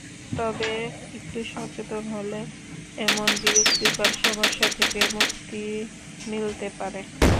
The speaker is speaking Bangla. তবে একটু সচেতন হলে এমন বিরক্তিকর সমস্যা থেকে মুক্তি মিলতে পারে।